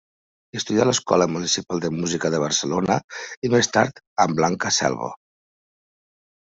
Estudià a l'Escola Municipal de Música de Barcelona, i més tard amb Blanca Selva.